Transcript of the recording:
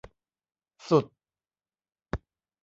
สุด